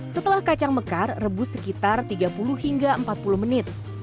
setelah kacang mekar rebus sekitar tiga puluh hingga empat puluh menit